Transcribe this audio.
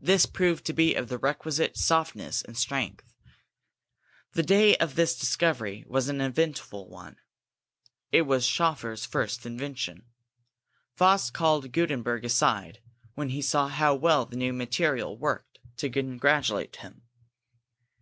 This proved to be of the requisite softness and strength. The day of this discovery was an eventful one. It was Schoeffer's first invention. Faust called Gutenberg aside when he saw how well the new material worked, to congratulate him.